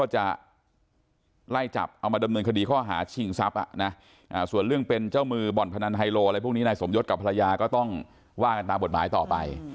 ว่ากันตามบทหมายต่อไป